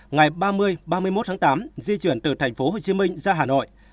ngày ba mươi ba mươi một tháng tám di chuyển từ thành phố hồ chí minh ra hà nội